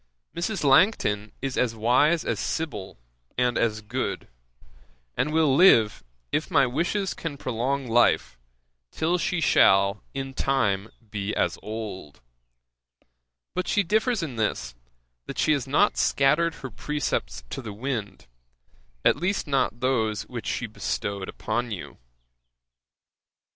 Mrs. Langton is as wise as Sibyl, and as good; and will live, if my wishes can prolong life, till she shall in time be as old. But she differs in this, that she has not scattered her precepts in the wind, at least not those which she bestowed upon you.